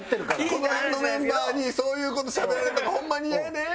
この辺のメンバーにそういう事しゃべられるのがホンマにイヤやねん。